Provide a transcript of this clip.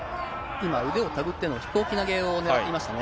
今、腕を手繰っての飛行機投げをねらってましたね。